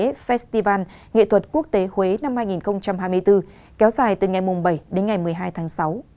festival nghệ thuật quốc tế huế năm hai nghìn hai mươi bốn kéo dài từ ngày bảy đến ngày một mươi hai tháng sáu